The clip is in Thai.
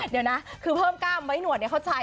เดี๋ยวนะคือเพิ่มกล้ามไว้หนวดเนี่ยเขาใช้